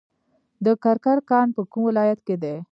د کرکر کان په کوم ولایت کې دی؟